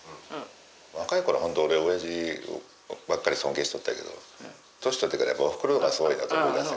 若い頃は本当俺おやじばっかり尊敬しとったやけど年取ってからはおふくろの方がすごいなと思いだした。